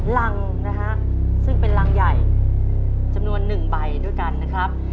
รังนะฮะซึ่งเป็นรังใหญ่จำนวน๑ใบด้วยกันนะครับ